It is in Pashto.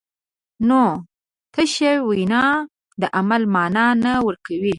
نو تشه وینا د عمل مانا نه ورکوي.